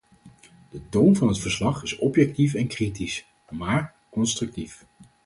De toon van het verslag is objectief en kritisch, maar constructief.